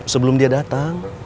sebelum dia datang